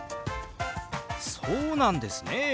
そうなんですね！